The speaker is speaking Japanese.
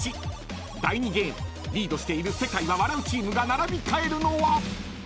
［第２ゲームリードしている世界は笑うチームが並び替えるのは］